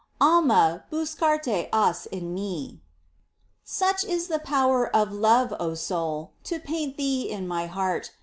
Alma, buscarte has en mi. Such is the power of love, O soul, To paint thee in My heart.